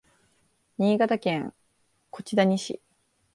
新潟県小千谷市